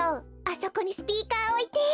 あそこにスピーカーおいて。